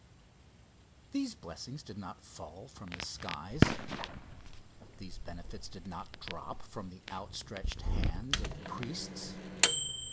These blessings did not fall from the skies, These benefits did not drop from the outstretched hands of priests.